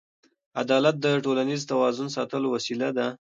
عدالت د ټولنیز توازن ساتلو وسیله ده.